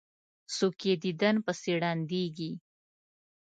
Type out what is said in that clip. څوک یې دیدن پسې ړندیږي.